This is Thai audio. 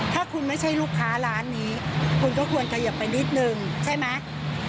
ถ้าคุณไม่ใช่ลูกค้าร้านนี้คุณก็ควรเขยิบไปนิดนึงใช่ไหม